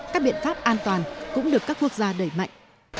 các biện pháp an toàn cũng được các quốc gia đẩy mạnh